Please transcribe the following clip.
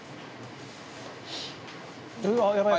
「うわっやばい！